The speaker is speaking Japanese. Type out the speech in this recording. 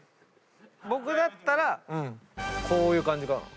僕だったらこういう感じかな。